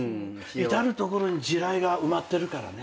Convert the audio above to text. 至る所に地雷が埋まってるからね。